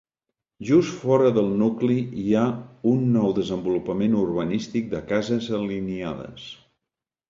Just fora del nucli hi ha un nou desenvolupament urbanístic de cases alineades.